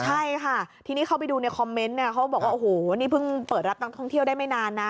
ใช่ค่ะทีนี้เข้าไปดูในคอมเมนต์เนี่ยเขาบอกว่าโอ้โหนี่เพิ่งเปิดรับนักท่องเที่ยวได้ไม่นานนะ